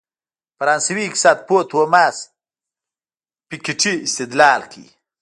فرانسوي اقتصادپوه توماس پيکيټي استدلال کوي.